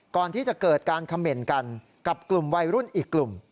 ก่อนที่จะเกิดการเขม่นกันกับกลุ่มวัยรุ่นอีกกลุ่ม